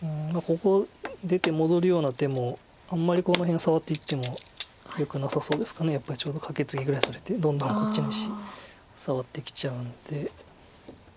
ここ出て戻るような手もあんまりこの辺触っていってもよくなさそうですかやっぱりちょっとカケツギぐらいされてどんどんこっちの石触ってきちゃうんで。